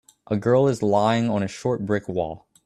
A girl is lying on a short brick wall